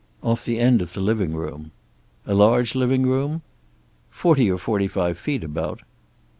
"Off the end of the living room." "A large living room?" "Forty or forty five feet, about."